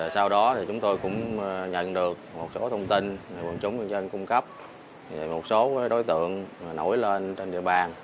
sau đó chúng tôi cũng nhận được một số thông tin người dân cung cấp một số đối tượng nổi lên trên địa bàn